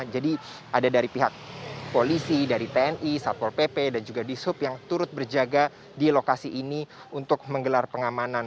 jadi ada dari pihak polisi dari tni satpol pp dan juga di sup yang turut berjaga di lokasi ini untuk menggelar pengamanan